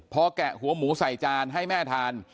พอแกะหัวหมูใส่จานให้แม่ทาน